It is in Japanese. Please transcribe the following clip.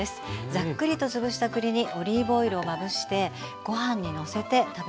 ざっくりと潰した栗にオリーブオイルをまぶしてご飯にのせて食べます。